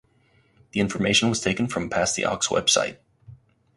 The information was taken from "Pass the Aux" website.